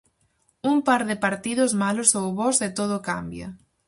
Un par de partidos malos ou bos e todo cambia.